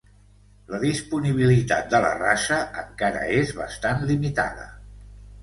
La disponibilitat de la raça encara és bastant limitada.